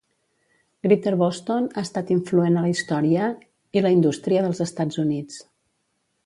Greater Boston ha estat influent a la història i la indústria dels Estats Units.